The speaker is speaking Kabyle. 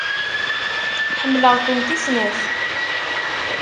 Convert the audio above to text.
Ḥemmleɣ-kent i snat.